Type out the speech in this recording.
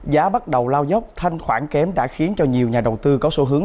giá bắt đầu lao dốc thanh khoản kém đã khiến cho nhiều nhà đầu tư có xu hướng